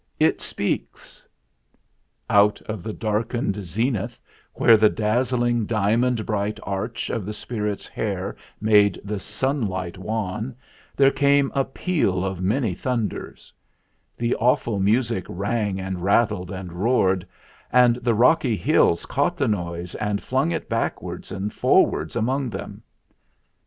It speaks!" Out of the darkened zenith, where the daz zling diamond bright arch of the Spirit's hair made the daylight wan, there came a peal of many thunders. The awful music rang and rattled and roared; and the rocky hills caught THE MAKING OF THE CHARM 37 the noise and flung it backwards and for wards among them.